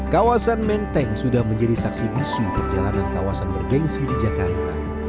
kawasan menteng sudah menjadi saksi bisu perjalanan kawasan bergensi di jakarta